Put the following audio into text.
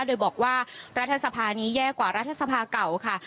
โดยบอกว่ารัฐสภานี้แย่กว่ารัฐสภาเก่าค่ะ